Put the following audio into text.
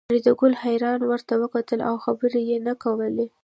فریدګل حیران ورته کتل او خبرې یې نه کولې